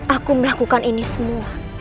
aku melakukan ini semua